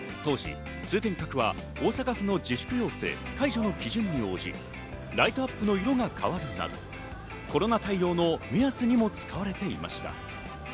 当時、通天閣は大阪府の自粛要請解除の基準に応じ、ライトアップの色が変わるなどコロナ対応の目安にも使われていました。